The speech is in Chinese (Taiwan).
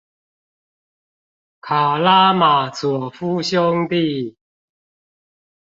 卡拉馬佐夫兄弟